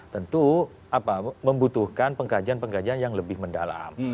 tentu membutuhkan pengkajian pengkajian yang lebih mendalam